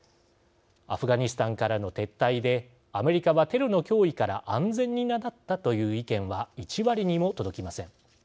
アフガニスタンからの撤退でアメリカはテロの脅威から安全になったという意見は１割にも届きません。